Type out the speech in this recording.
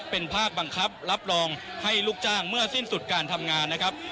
เป็นภาคบังคับรับรองให้ลูกจ้างเมื่อสิ้นสุดการทำงานนะครับ